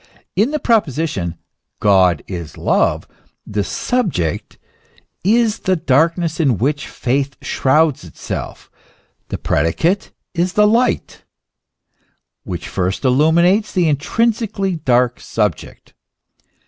In the proposition " God is love," the subject is the darkness in which faith shrouds itself; the predicate is the light, which first illu minates the intrinsically dark subject.